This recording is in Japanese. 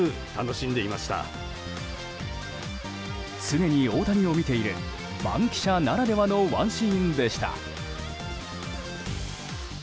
常に大谷を見ている番記者ならではのワンシーンでした。